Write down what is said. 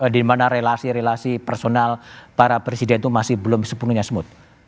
di mana relasi relasi personal para presiden itu masih belum sepenuhnya smooth